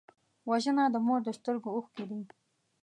وژنه د مور د سترګو اوښکې دي